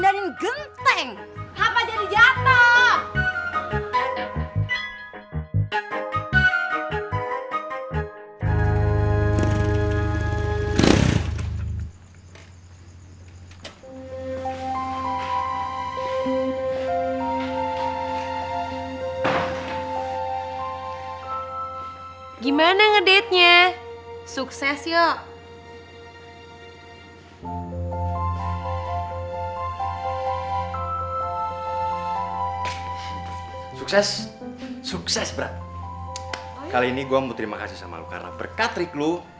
ini gue mau terima kasih sama lo karena berkat trik lo